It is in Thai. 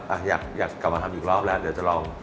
อ่ะอยากกลับมาทำอีกรอบแล้วเดี๋ยวจะลอง